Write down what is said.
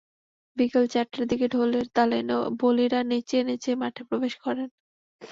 বিকেল চারটার দিকে ঢোলের তালে বলীরা নেচে নেচে মাঠে প্রবেশ করেন।